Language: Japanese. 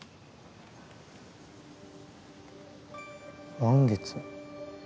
満月？